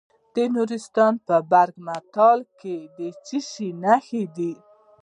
د نورستان په برګ مټال کې د څه شي نښې دي؟